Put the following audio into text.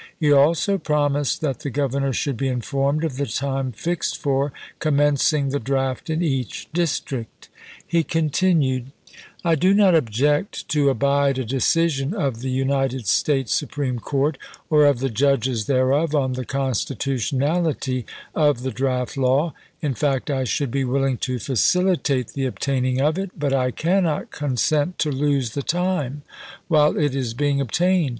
He also promised that the Governor should be informed of the time fixed for commencing the draft in each district. He continued : I do not object to abide a decision of the United States Supreme Court, or of the judges thereof, on the constitutionality of the draft law; in fact, I should be willing to facilitate the obtaining of it, but I cannot con sent to lose the time while it is being obtained.